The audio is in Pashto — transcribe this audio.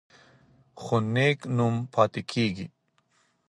خو نېک نوم پاتې کیږي.